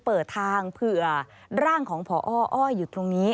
เปิดทางเผื่อร่างของพออ้อยอยู่ตรงนี้